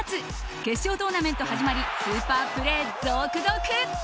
決勝トーナメント始まりスーパープレー続々！